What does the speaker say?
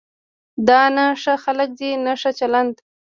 دا نه ښه خلک دي نه ښه چلند.